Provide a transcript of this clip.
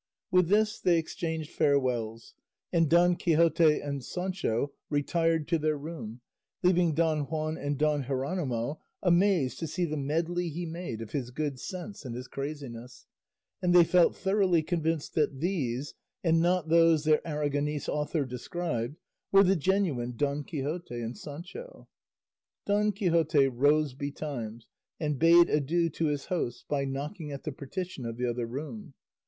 With this they exchanged farewells, and Don Quixote and Sancho retired to their room, leaving Don Juan and Don Jeronimo amazed to see the medley he made of his good sense and his craziness; and they felt thoroughly convinced that these, and not those their Aragonese author described, were the genuine Don Quixote and Sancho. Don Quixote rose betimes, and bade adieu to his hosts by knocking at the partition of the other room.